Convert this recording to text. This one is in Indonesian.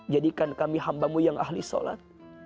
jadikan kami hambamu yang ahli sholat